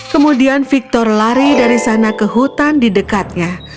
kemudian victor lari dari sana ke hutan di dekatnya